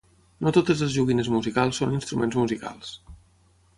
No totes les joguines musicals són instruments musicals.